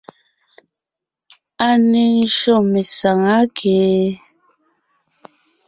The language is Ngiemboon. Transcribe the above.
A ne ńjÿô mesàŋá kee?